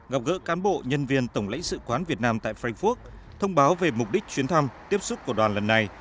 gặp gỡ cán bộ nhân viên tổng lãnh sự quán việt nam tại frankfurt thông báo về mục đích chuyến thăm tiếp xúc của đoàn lần này